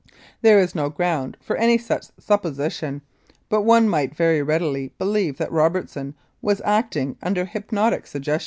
There is no ground for any such supposition, but one might very readily believe that Robertson was acting under hypnotic suggestion.